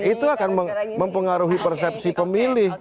itu akan mempengaruhi persepsi pemilih